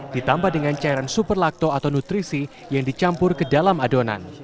ditambah dengan cairan superlakto atau nutrisi yang dicampur ke dalam adonan